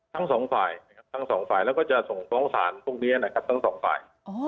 ทั้งสองฝ่ายแล้วก็จะส่งสร้องสารพวกนี้นะครับทั้งสองฝ่าย